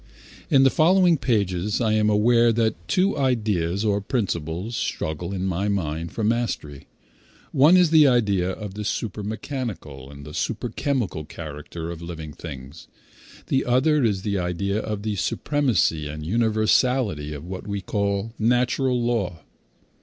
In the following pages I am aware that two ideas, or principles, struggle in my mind for mastery. One is the idea of the super mechanical and the super chemical character of living things; the other is the idea of the supremacy and universality of what we call natural law.